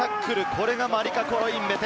これがマリカ・コロインベテ。